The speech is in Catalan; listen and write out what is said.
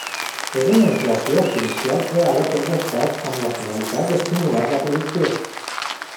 És una inflació artificial creada per l'Estat amb la finalitat d'estimular la producció.